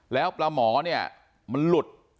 แล้วปลาหมอเนี่ยมันหลุด